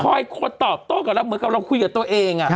คอยตอบโต๊ะกลับมันก็เหมือนเราคุยกับตัวเอง